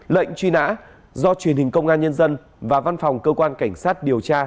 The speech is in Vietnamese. lệnh truy nã do truyền hình công an nhân dân và văn phòng cơ quan cảnh sát điều tra